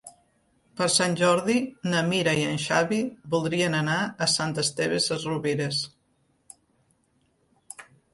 Per Sant Jordi na Mira i en Xavi voldrien anar a Sant Esteve Sesrovires.